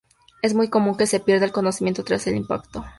Es muy común que se pierda el conocimiento tras el impacto.